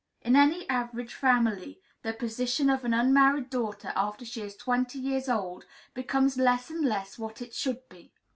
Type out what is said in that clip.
In any average family, the position of an unmarried daughter after she is twenty years old becomes less and less what it should be.